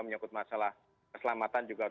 menyokut masalah aspek pandemi